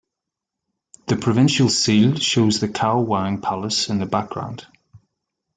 The provincial seal shows the Khao Wang palace in the background.